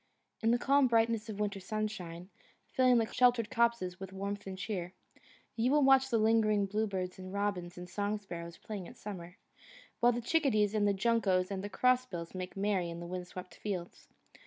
In the calm brightness of winter sunshine, filling sheltered copses with warmth and cheer, you will watch the lingering blue birds and robins and song sparrows playing at summer, while the chickadees and the juncos and the cross bills make merry in the windswept fields.